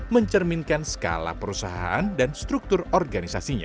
mencerminkan skala perusahaan dan struktur organisasinya